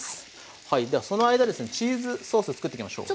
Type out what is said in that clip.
はいではその間ですねチーズソースを作っていきましょう。